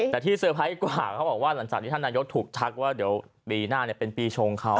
แต่ที่เตอร์ไพรส์กว่าเขาบอกว่าหลังจากที่ท่านนายกถูกทักว่าเดี๋ยวปีหน้าเป็นปีชงเขา